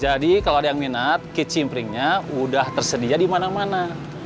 jadi kalau ada yang minat kitchen springnya sudah tersedia di mana mana